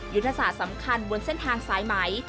ยุทธศาสตร์สำคัญบนเส้นทางสายไหม